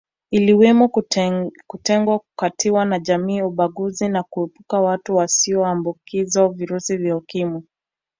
Ikiwemo kutengwa kukataliwa na jamii ubaguzi na kuepukwa watu wasioambukizwa virusi vya Ukimwi